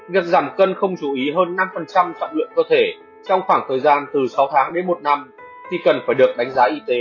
việc giảm cân không chú ý hơn năm trọng lượng cơ thể trong khoảng thời gian từ sáu tháng đến bảy tháng